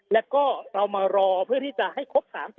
แล้วก็เรามารอเคป๓๘สก